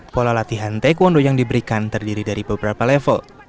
pola latihan taekwondo yang diberikan terdiri dari beberapa level